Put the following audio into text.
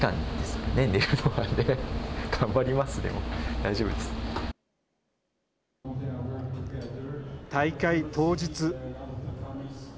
大会当日。